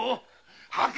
吐け！